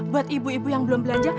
buat ibu ibu yang belum belanja